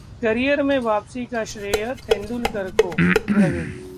career में वापसी का श्रेय तेंदुलकर को: द्रविड़